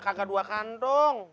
kagak dua kantong